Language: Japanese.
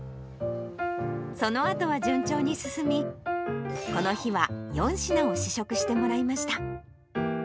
そのあとは順調に進み、この日は、４品を試食してもらいました。